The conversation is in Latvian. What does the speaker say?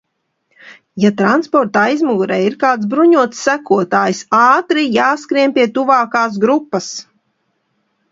Ja transporta aizmugurē ir kāds bruņots sekotājs, ātri jāskrien pie tuvākās grupas.